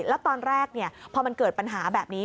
แล้วตอนแรกพอมันเกิดปัญหาแบบนี้